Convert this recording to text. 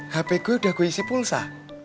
hp gue udah gue isi pulsa